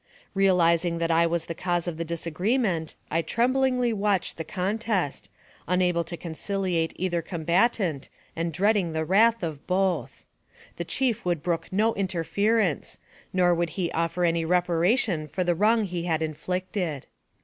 Realizing that I was the cause of the disagreement, I tremblingly watched the contest, unable to conciliate either combntant, and dreading the wrath of both. The chief would brook no interference, nor would he offer any reparation for the wrong he had inflicted.